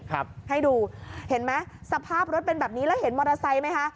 ให้ดูเห็นไหมสภาพรถเป็นแบบนี้แล้วเห็นมอเตอร์ไซค์ไหมคะ